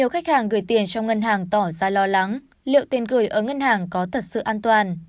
khách hàng gửi tiền trong ngân hàng tỏ ra lo lắng liệu tiền gửi ở ngân hàng có thật sự an toàn